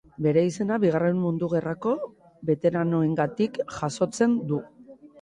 Bere izena bigarren mundu gerrako beteranoengatik jasotzen du.